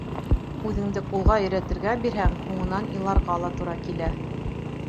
Үҙеңде ҡулға өйрәтергә бирһәң, һуңынан иларға ла тура килә.